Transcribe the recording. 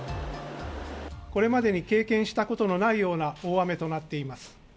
これまでに経験したことのないような大雨となっています。